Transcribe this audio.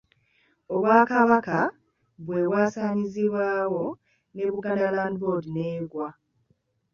Obwakabaka bwe bwasaanyizibwawo ne Buganda Land Board n'egwa.